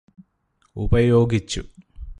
ഉപയോഗിച്ചു